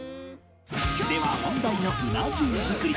では本題のうな重作り